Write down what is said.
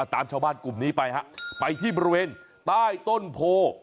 ตามชาวบ้านกลุ่มนี้ไปฮะไปที่บริเวณใต้ต้นโพ